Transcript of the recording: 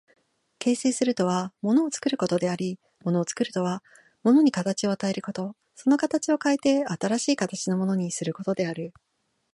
形成するとは物を作ることであり、物を作るとは物に形を与えること、その形を変えて新しい形のものにすることである。